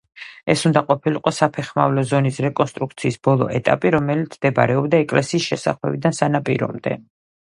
ეს უნდა ყოფილიყო საფეხმავლო ზონის რეკონსტრუქციის ბოლო ეტაპი, რომელიც მდებარეობდა ეკლესიის შესახვევიდან სანაპირომდე.